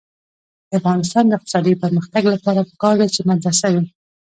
د افغانستان د اقتصادي پرمختګ لپاره پکار ده چې مدرسه وي.